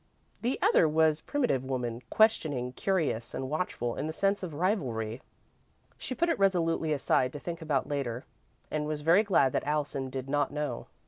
The other was Primitive Woman; questioning, curious, and watchful in the sense of rivalry. She put it resolutely aside to think about later, and was very glad that Allison did not know.